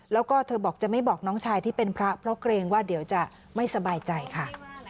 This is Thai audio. แล้วก็เธอบอกจะไม่บอกน้องชายที่เป็นพระเพราะเกรงว่าเดี๋ยวจะไม่สบายใจค่ะ